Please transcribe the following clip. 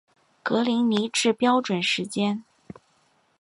格林尼治标准时间